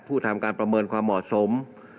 ทำการประเมินความเหมาะสม